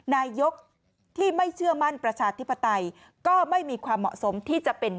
นายกที่ไม่เชื่อมั่นประชาธิปไตยก็ไม่มีความเหมาะสมที่จะเป็น